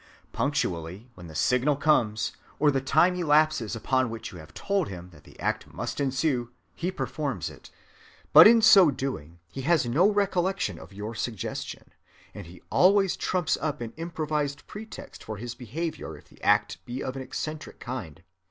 Punctually, when the signal comes or the time elapses upon which you have told him that the act must ensue, he performs it;—but in so doing he has no recollection of your suggestion, and he always trumps up an improvised pretext for his behavior if the act be of an eccentric kind.